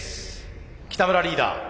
北村リーダー